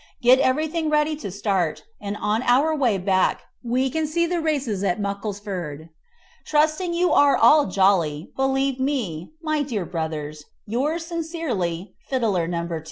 Get everything ready to start, and on our way back we can see the races at Mucklesford. Trusting you are all jolly, believe me, my dear brothers, yours sincerely, Fiddler No 2."